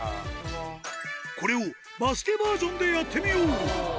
これをバスケバージョンでやってみよう。